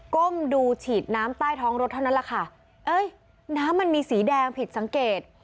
ก้มดูฉีดน้ำใต้ท้องรถเท่านั้นแหละค่ะเอ้ยน้ำมันมีสีแดงผิดสังเกต